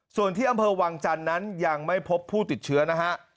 ส่วนที่อำเภอวังจันทร์นั้นยังไม่พบผู้ติดเชื้อนะฮะ